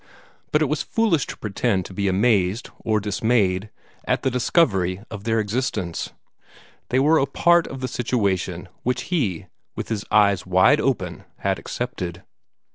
But it was foolish to pretend to be amazed or dismayed at the discovery of their existence. They were a part of the situation which he, with his eyes wide open, had accepted.